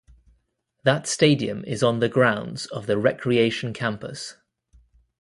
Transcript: That stadium is on the grounds of the Recreation Campus.